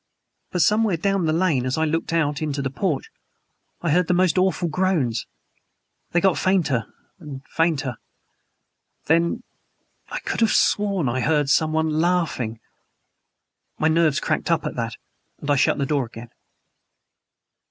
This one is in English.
But somewhere down the lane, as I looked out into the porch, I heard most awful groans! They got fainter and fainter. Then I could have sworn I heard SOMEONE LAUGHING! My nerves cracked up at that; and I shut the door again."